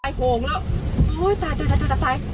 ตายตายตายตายตายตายตายตายตายตายตายตายตายตายตายตายตายตาย